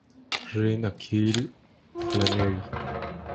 Rent-a-kill" Flannery.